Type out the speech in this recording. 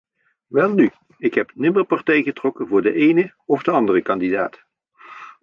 Welnu, ik heb nimmer partij getrokken voor de ene of de andere kandidaat.